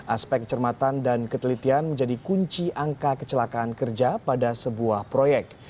aspek cermatan dan ketelitian menjadi kunci angka kecelakaan kerja pada sebuah proyek